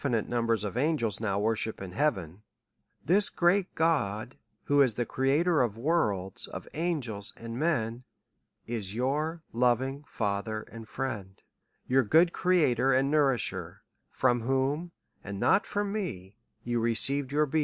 239 iiite numbers of angels now worship in heaven ; this great God, who is the Cieator of worlds, of angels, and men, is your lovuig Father and Friend, your good Creator and Nourishcr, from whom, and not from me, you received your beir.